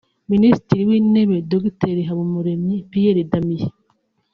Minisitiri w’Intebe Dr Habumuremyi Pierre Damien